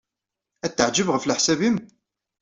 Ad t-teɛjeb, ɣef leḥsab-nnem?